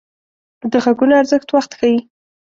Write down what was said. د غږونو ارزښت وخت ښيي